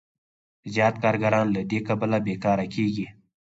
زیات کارګران له دې کبله بېکاره کېږي